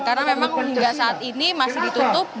karena memang hingga saat ini masih ditemukan